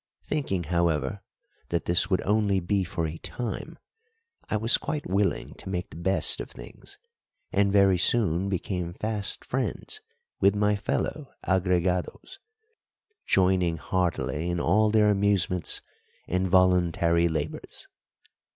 Thinking, however, that this would only be for a time, I was quite willing to make the best of things, and very soon became fast friends with my fellow agregados, joining heartily in all their amusements and voluntary labours.